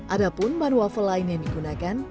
adapun bahan waffle lain yang digunakan